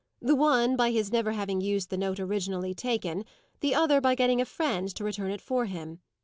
"The one, by his never having used the note originally taken; the other, by getting a friend to return it for him.